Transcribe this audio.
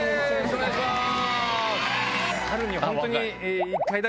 お願いします。